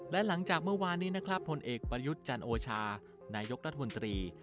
และหลังจากเมื่อวานนี้นะครับผลเอกประยุทธ์จันโอชานายกรัฐมนตรี